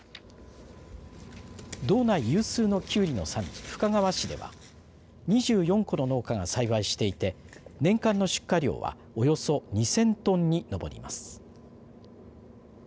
道内有数のきゅうりの産地、深川市では２４戸の農家が栽培していて年間の出荷量はおよそ２０００トンに上ります。